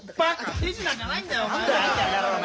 手品じゃないんだよお前。